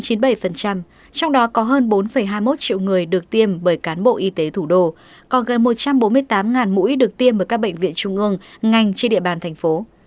trong đó có hơn bốn hai mươi một triệu người được tiêm bởi cán bộ y tế thủ đô còn gần một trăm bốn mươi tám mũi được tiêm bởi các bệnh viện trung ương ngành trên địa bàn thành phố